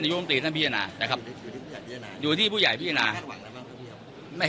นายวงตรีท่านพิยานานะครับอยู่ที่ผู้ใหญ่พิยานาไม่